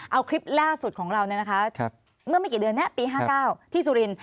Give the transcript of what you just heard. เอาคลิปล่าสุดของเราเมื่อไม่กี่เดือนนี้ปี๕๙ที่สุรินท